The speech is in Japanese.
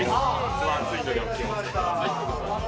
器、熱いのでお気をつけください。